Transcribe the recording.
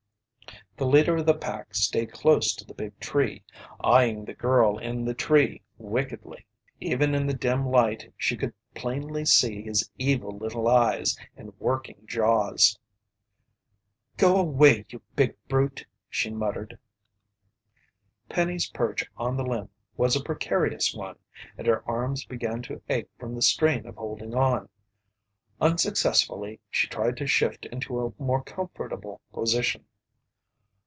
The leader of the pack stayed close to the big tree, eyeing the girl in the tree wickedly. Even in the dim light she could plainly see his evil little eyes and working jaws. "Go away you big brute!" she muttered. Penny's perch on the limb was a precarious one and her arms began to ache from the strain of holding on. Unsuccessfully, she tried to shift into a more comfortable position.